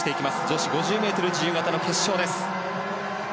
女子５０ｍ自由形の決勝です。